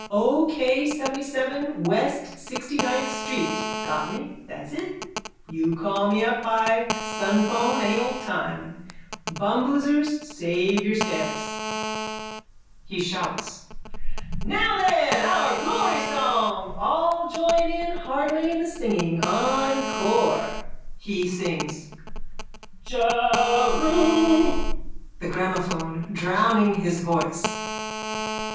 O. K. Seventyseven west sixtyninth street. Got me? That's it. You call me up by sunphone any old time. Bumboosers, save your stamps. (He shouts.) Now then our glory song. All join heartily in the singing. Encore! (He sings.) Jeru... THE GRAMOPHONE: _(Drowning his voice.)